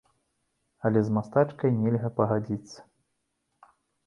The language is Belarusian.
Але з мастачкай нельга пагадзіцца.